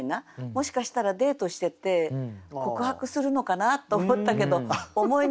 もしかしたらデートしてて告白するのかなと思ったけど思い